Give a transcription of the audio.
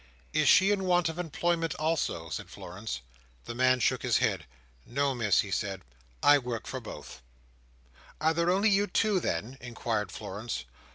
"Is she in want of employment also?" said Florence. The man shook his head. "No, Miss," he said. "I work for both," "Are there only you two, then?" inquired Florence.